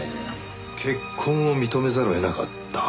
結婚を認めざるを得なかった。